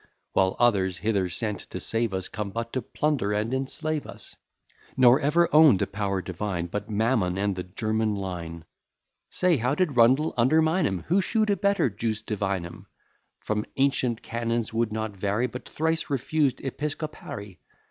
While others, hither sent to save us Come but to plunder and enslave us; Nor ever own'd a power divine, But Mammon, and the German line. Say, how did Rundle undermine 'em? Who shew'd a better jus divinum? From ancient canons would not vary, But thrice refused episcopari.